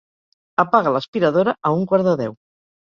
Apaga l'aspiradora a un quart de deu.